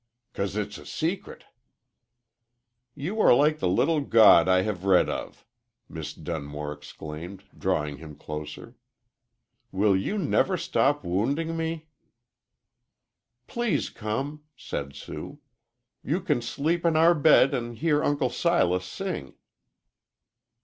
"'Cause it's a secret." "You are like the little god I have read of!" Miss Dunmore exclaimed, drawing him closer. "Will you never stop wounding me?" "Please come," said Sue. "You can sleep in our bed an' hear Uncle Silas sing."